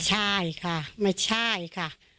ใช่ค่ะไม่ใช่ค่ะ